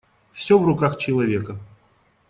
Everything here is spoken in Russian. Всё в руках человека.